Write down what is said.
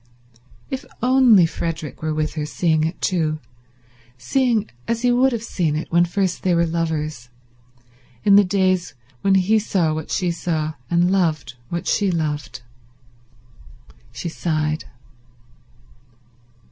If only Frederick were with her, seeing it too, seeing as he would have seen it when first they were lovers, in the days when he saw what she saw and loved what she loved. .. She sighed.